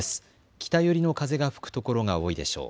北寄りの風が吹くところが多いでしょう。